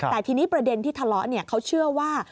แต่ทีนี้ประเด็นที่ทะเลาะเขาเชื่อว่า